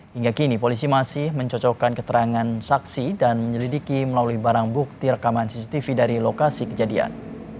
hingga kini polisi masih mencocokkan keterangan saksi dan menyelidiki melalui barang bukti rekaman cctv dari lokasi kejadian